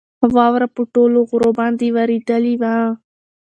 واوره په ټولو غرو باندې ورېدلې وه.